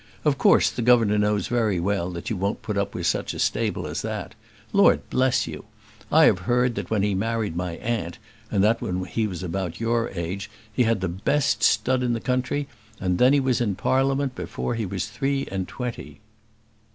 "Of course the governor knows very well that you won't put up with such a stable as that. Lord bless you! I have heard that when he married my aunt, and that was when he was about your age, he had the best stud in the whole county; and then he was in Parliament before he was three and twenty."